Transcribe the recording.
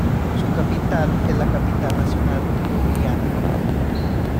Su capital es la capital nacional Liubliana.